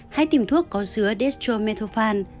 hãy tìm thuốc có dứa destro methofax